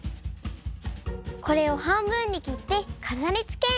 これをはんぶんにきってかざりつけ！